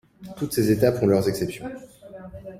Toutes ces étapes ont leurs exceptions.